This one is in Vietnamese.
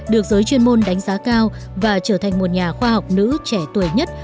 được giới chuyên môn đánh giá cao và trở thành một nhà khoa học nữ trẻ tuổi nhất